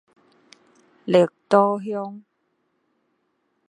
綠島鄉